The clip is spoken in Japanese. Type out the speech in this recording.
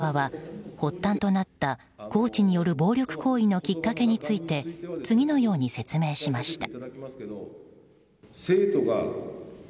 また、今日の会見で学校側は発端となったコーチによる暴力行為のきっかけについて次のように説明しました。